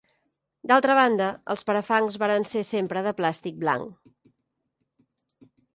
D'altra banda, els parafangs varen ser sempre de plàstic blanc.